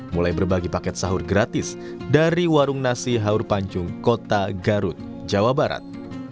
mulai berbagi paket sahur gratis dari warung nasi haur panjung kota garut jawa barat